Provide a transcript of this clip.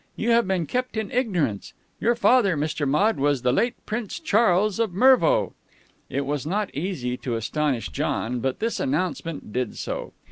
You have been kept in ignorance. Your father, Mr. Maude, was the late Prince Charles of Mervo." It was not easy to astonish John, but this announcement did so.